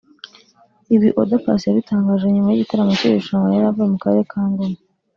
Ibi Oda Paccy yabitangaje nyuma y’igitaramo cy’iri rushanwa yari avuyemo mu karere ka Ngoma